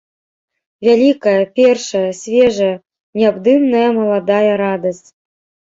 Вялікая, першая, свежая, неабдымная маладая радасць!